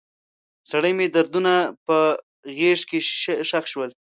زړه مې د دردونو په غیږ کې ښخ شو.